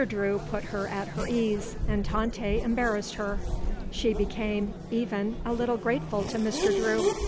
Drew put her at her ease and Tante embarrassed her. She became, even, a little grateful to Mr. Drew.